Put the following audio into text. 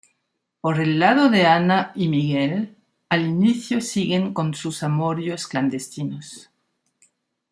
Por el lado de Hanna y Miguel, al inicio siguen con sus amoríos clandestinos.